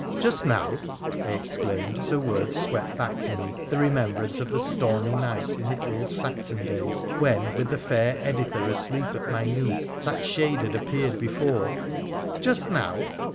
' Just now 1 ' I exclaimed, as her words swept back to me the remembrance of the stormy night in the old Saxon days when, with the fair Editha asleep at my knee, that shade had appeared before — 'just now!